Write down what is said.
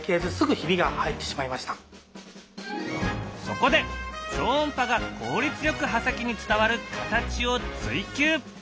そこで超音波が効率よく刃先に伝わる形を追求。